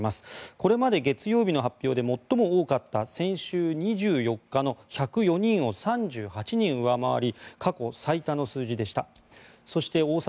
これまで月曜日の発表で最も多かった先週２４日の１０４人を３８人上回り過去最多の数字でした。